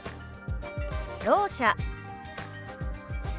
「ろう者」。